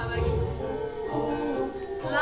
selama kita masih bernafas